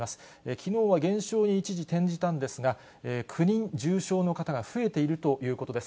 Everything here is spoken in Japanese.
きのうは減少に一時転じたんですが、９人、重症の方が増えているということです。